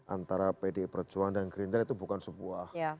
antara pdp perjuangan dan green deal itu bukan sebuah